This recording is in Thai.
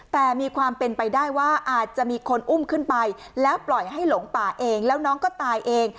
แต่มีความเป็นไปได้ว่าอาจจะมีคนอุ้มขึ้นไปแล้วปล่อยให้หลงป่าเองแล้วน้องก็ตายเอง